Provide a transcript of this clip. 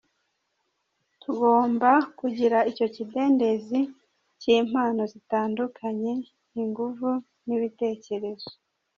Tugomba kugira icyo kidendezi cy’impano zitandukanye, ingufu, n’ibitekerezo.